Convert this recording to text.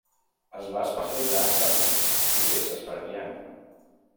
Es va especialitzar en càntics i peces per a piano.